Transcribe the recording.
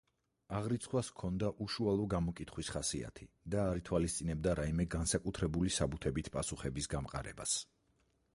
აღრიცხვას ჰქონდა უშუალო გამოკითხვის ხასიათი და არ ითვალისწინებდა რამე განსაკუთრებული საბუთებით პასუხების გამყარებას.